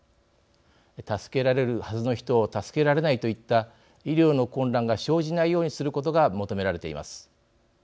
助けられるはずの人を助けられないといった医療の混乱が生じないようにすることが求められています。